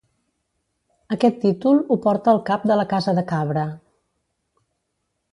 Aquest títol ho porta el cap de la Casa de Cabra.